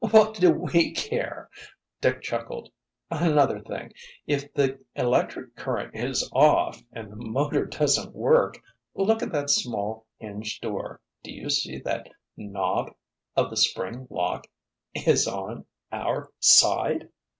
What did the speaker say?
"What do we—ho ho—care?" Dick chuckled. "Another thing—even if the electric current is off and the motor doesn't work—look at that small, hinged door—do you see that the knob of the spring lock—is on—our—side!"